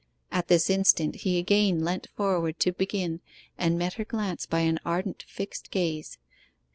At this instant he again leant forward to begin, and met her glance by an ardent fixed gaze.